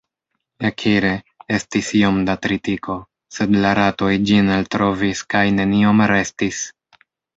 Ekire, estis iom da tritiko, sed la ratoj ĝin eltrovis, kaj neniom restis.